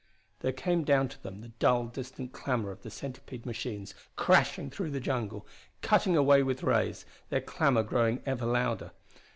There came down to them the dull, distant clamor of the centipede machines crashing through the jungle, cutting a way with rays, their clamor growing ever louder.